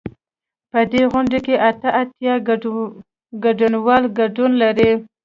په دې غونډه کې اته اتیا ګډونوال ګډون لري.